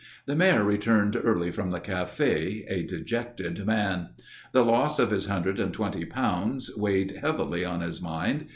The mayor returned early from the café, a dejected man. The loss of his hundred and twenty pounds weighed heavily on his mind.